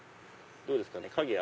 どうですかね？